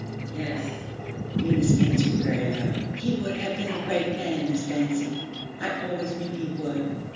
'Yes,' Eunice answered very low. 'He would have been a great man, Miss Lansing. I always knew he would.'